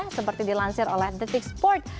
seperti dilansir oleh the tixport